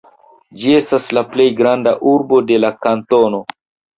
Ĝi estas la plej granda urbo de la kantono.